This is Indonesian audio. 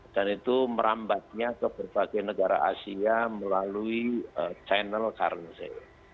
dan itu merambatnya ke berbagai negara asia melalui channel currency